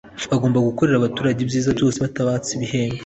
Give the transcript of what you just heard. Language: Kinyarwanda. bagomba gukorera abaturage ibyiza byose batabatse ibihembo